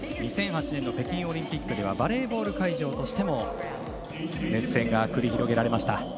２００８年の北京オリンピックでバレーボールの会場としても熱戦が繰り広げられました。